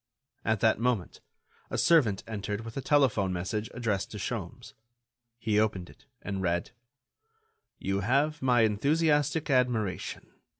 At that moment, a servant entered with a telephone message addressed to Sholmes. He opened it, and read: "You have my enthusiastic admiration.